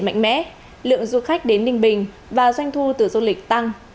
phát triển mạnh mẽ lượng du khách đến ninh bình và doanh thu từ du lịch tăng